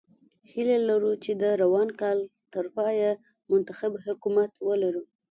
هیله لرو چې د روان کال تر پایه منتخب حکومت ولرو.